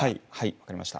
分かりました。